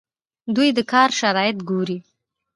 دوی د کار شرایط ګوري.